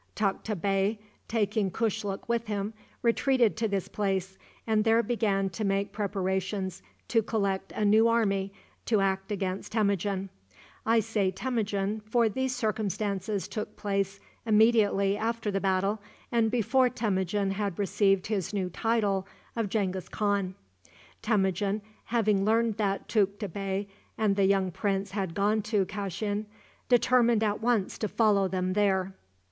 Tukta Bey, taking Kushluk with him, retreated to this place, and there began to make preparations to collect a new army to act against Temujin. I say Temujin, for these circumstances took place immediately after the battle, and before Temujin had received his new title of Genghis Khan. Temujin, having learned that Tukta Bey and the young prince had gone to Kashin, determined at once to follow them there.